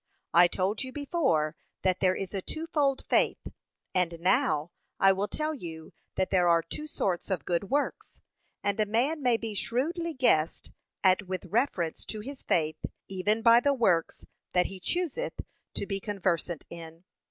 I told you before that there is a twofold faith, and now I will tell you that there are two sorts of good works; and a man may be shrewdly guessed at with reference to his faith, even by the works that he chooseth to be conversant in.